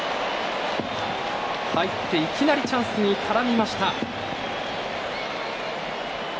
入って、いきなりチャンスに絡みました。